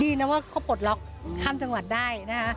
ดีนะว่าเขาปลดล็อกข้ามจังหวัดได้นะคะ